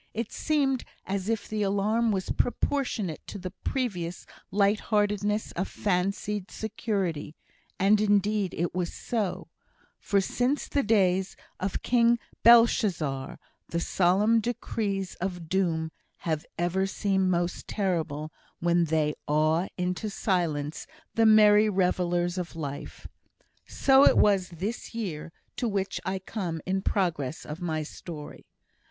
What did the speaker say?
It seemed as if the alarm was proportionate to the previous light heartedness of fancied security and indeed it was so; for, since the days of King Belshazzar, the solemn decrees of Doom have ever seemed most terrible when they awe into silence the merry revellers of life. So it was this year to which I come in the progress of my story.